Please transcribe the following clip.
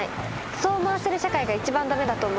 そう思わせる社会が一番駄目だと思います。